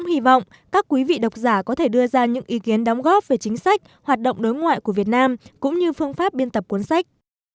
hy vọng các quý vị độc giả có thể đưa ra những ý kiến đóng góp về chính sách hoạt động đối ngoại của việt nam cũng như phương pháp biên tập cuốn sách